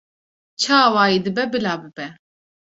Çi awayî dibe bila bibe